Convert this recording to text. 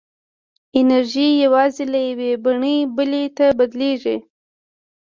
انرژي یوازې له یوې بڼې بلې ته بدلېږي.